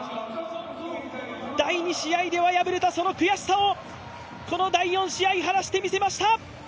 第２試合では敗れたその悔しさを、第４試合晴らしてみせました。